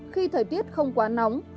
khi thời tiết không quá nóng